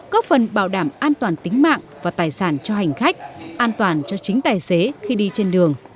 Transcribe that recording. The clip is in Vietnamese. góp phần bảo đảm an toàn tính mạng và tài sản cho hành khách an toàn cho chính tài xế khi đi trên đường